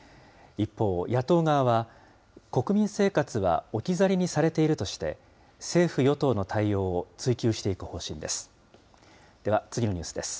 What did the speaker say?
一方、野党側は、国民生活は置き去りにされているとして、政府・与党の対応を追及していく方針です。